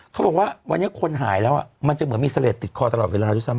เขาบอกว่าวันนี้คนหายแล้วมันจะเหมือนมีเสลดติดคอตลอดเวลาด้วยซ้ำ